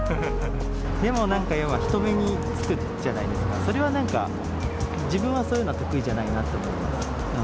でもなんか要は人目につくじゃないですか、自分はそういうのは得意じゃないと思います。